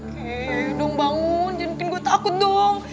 kei dong bangun jangan bikin gue takut dong